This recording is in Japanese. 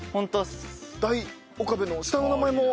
大岡部の下の名前も。